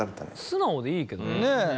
素直でいいけどね。